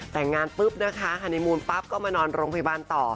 แต่งงานปุ๊บนะคะฮานีมูลปั๊บก็มานอนโรงพยาบาลต่อ